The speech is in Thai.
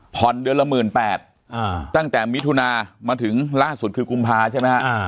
เดือนละ๑๘๐๐ตั้งแต่มิถุนามาถึงล่าสุดคือกุมภาใช่ไหมฮะ